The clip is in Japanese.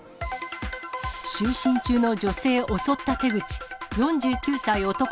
就寝中の女性、襲った手口。